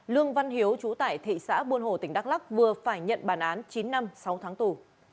lương văn hiếu chú tài thị xã buôn hồ tỉnh đắk lắk vừa phải nhận bàn án chín năm sáu tháng tù